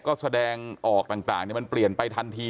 ก็แสดงออกต่างมันเปลี่ยนไปทันที